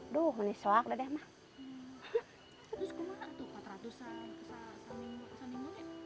empat puluh aduh menyesuaikan dedeh mak